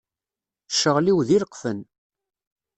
Ccɣel-iw d ileqfen.